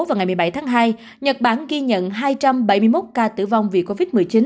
vào ngày một mươi bảy tháng hai nhật bản ghi nhận hai trăm bảy mươi một ca tử vong vì covid một mươi chín